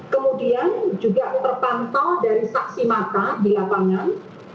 kemudian juga terpantau dari saksi mata di lapangan